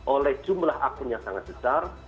oleh jumlah akun yang sangat besar